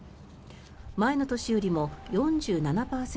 前の年よりも４７％